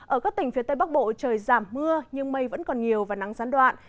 ở các tỉnh phía tây bắc bộ trời giảm mưa nhưng mây vẫn còn nhiều và nắng gián đoạn